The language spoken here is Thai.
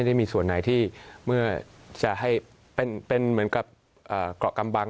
ได้มีส่วนไหนที่เมื่อจะให้เป็นเหมือนกับเกาะกำบัง